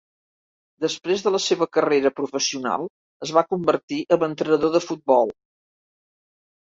Després de la seva carrera professional, es va convertir en entrenador de futbol.